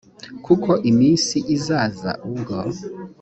kuko iminsi izaza ubwo